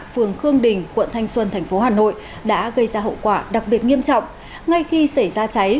phương khương đình quận thanh xuân tp hà nội đã gây ra hậu quả đặc biệt nghiêm trọng ngay khi xảy ra cháy